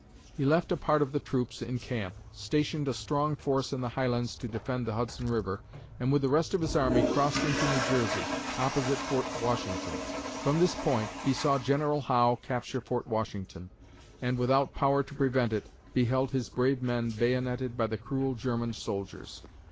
He left a part of the troops in camp, stationed a strong force in the Highlands to defend the Hudson River, and with the rest of his army, crossed into New Jersey, opposite Fort Washington. From this point, he saw General Howe capture Fort Washington and, without power to prevent it, beheld his brave men bayoneted by the cruel German soldiers.